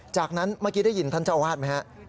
จากนั้นเมื่อกี้ได้ยินท่านเจ้าอาวาสไหมฮะ